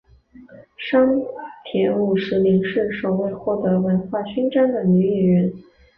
山田五十铃是首位获得文化勋章的女演员。